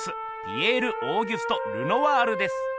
ピエール＝オーギュスト・ルノワールです。